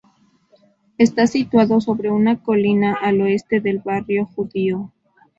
Está situado sobre una colina al oeste del barrio judío.